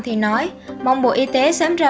thì nói mong bộ y tế sáng ra